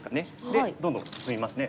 でどんどん進みますね。